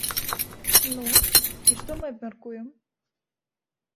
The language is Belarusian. Ну, і што мы абмяркуем?